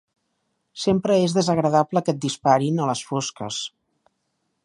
Sempre és desagradable que et disparin, a les fosques